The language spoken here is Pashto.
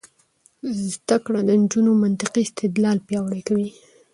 زده کړه د نجونو منطقي استدلال پیاوړی کوي.